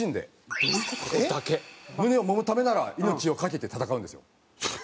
胸を揉むためなら命を懸けて戦うんですよ。